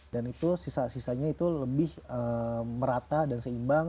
dan itu sisa sisanya itu lebih merata dan seimbang